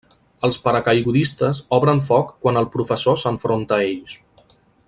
Els paracaigudistes obren foc quan el professor s'enfronta a ells.